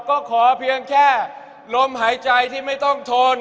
ก็ขอเพียงแค่ลมหายใจที่ไม่ต้องทน